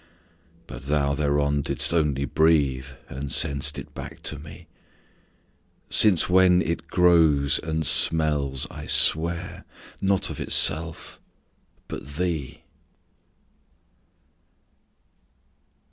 But thou thereon didst only breathe, And sent'st back to me: Since when it grows, and smells, I swear, Not of itself, but thee.